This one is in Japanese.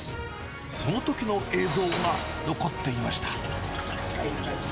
そのときの映像が残っていました。